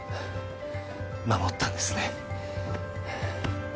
守ったんですね